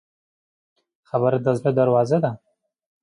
خبره د زړه دروازه ده.